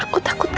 aku takut pak